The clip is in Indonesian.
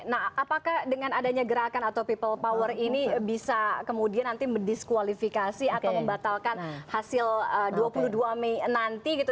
nah apakah dengan adanya gerakan atau people power ini bisa kemudian nanti mendiskualifikasi atau membatalkan hasil dua puluh dua mei nanti gitu